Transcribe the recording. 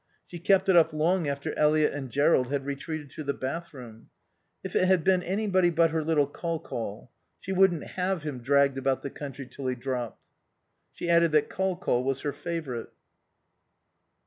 She kept it up long after Eliot and Jerrold had retreated to the bathroom. If it had been anybody but her little Col Col. She wouldn't have him dragged about the country till he dropped. She added that Col Col was her favourite.